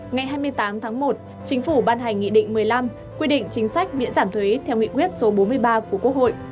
ngày hai mươi tám tháng một chính phủ ban hành nghị định một mươi năm quy định chính sách miễn giảm thuế theo nghị quyết số bốn mươi ba của quốc hội